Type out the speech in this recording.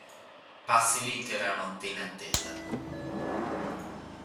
Passi l'intera notte in attesa".